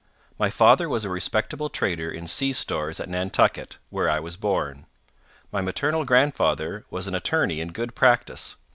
My father was a respectable trader in sea stores at Nantucket, where I was born. My maternal grandfather was an attorney in good practice.